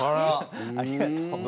ありがとう。